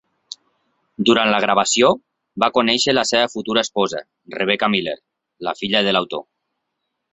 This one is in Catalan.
Durant la gravació, va conèixer la seva futura esposa, Rebecca Miller, la filla de l'autor.